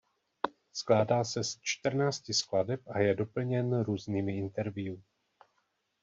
Skládá se z čtrnácti skladeb a je doplněn různými interview.